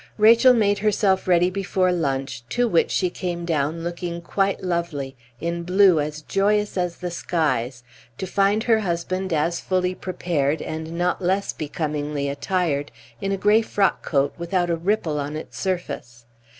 Rachel made herself ready before lunch, to which she came down looking quite lovely, in blue as joyous as the sky's, to find her husband as fully prepared, and not less becomingly attired, in a gray frock coat without a ripple on its surface.